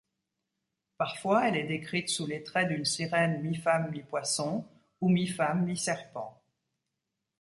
Parfois elle est décrite sous les traits d'une sirène mi-femme mi-poisson ou mi-femme mi-serpent.